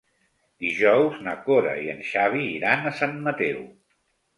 Dijous na Cora i en Xavi iran a Sant Mateu.